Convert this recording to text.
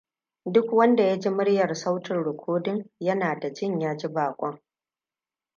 Duk wanda ya ji muryar sautin rikodin yana da jin ya ji baƙon.